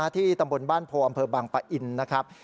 ที่บ้านโพอำเภอบางปะอินนะครับ